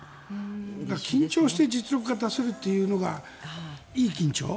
だから緊張して実力が出せるというのがいい緊張。